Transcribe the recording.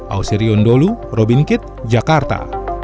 ausri undolu robin kit jakarta